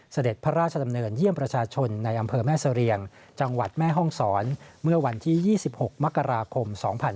เสด็จพระราชดำเนินเยี่ยมประชาชนในอำเภอแม่เสรียงจังหวัดแม่ห้องศรเมื่อวันที่๒๖มกราคม๒๕๕๙